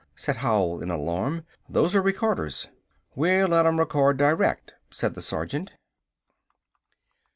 said Howell in alarm. "Those are recorders!" "We'll let 'em record direct," said the sergeant.